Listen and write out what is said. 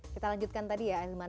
kita lanjutkan tadi ya ahilman